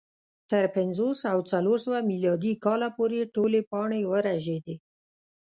تر پنځوس او څلور سوه میلادي کاله پورې ټولې پاڼې ورژېدې